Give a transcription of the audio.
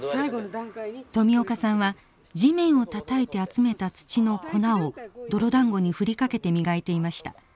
富岡さんは地面をたたいて集めた土の粉を泥だんごに振りかけて磨いていました。